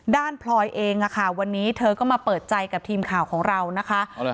พลอยเองค่ะวันนี้เธอก็มาเปิดใจกับทีมข่าวของเรานะคะ